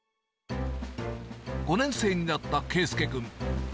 ５年生になった佳祐君。